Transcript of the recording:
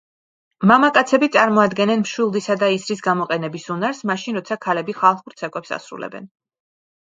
მამაკაცები წარმოადგენენ მშვილდისა და ისრის გამოყენების უნარს, მაშინ როცა ქალები ხალხურ ცეკვებს ასრულებენ.